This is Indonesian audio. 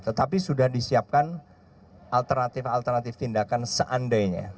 tetapi sudah disiapkan alternatif alternatif tindakan seandainya